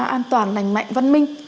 an toàn lành mạnh văn minh